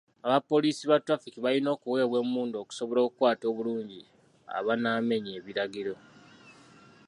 Abapoliisi ba tulafiki balina okuweebwa emmundu okusobola okukwata obulungi abanaamenya ebiragiro.